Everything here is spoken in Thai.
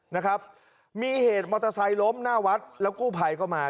นะครับมีเหตุมอร์ทไทยล้มหน้าวัดแล้วกู้ภัยเข้ามา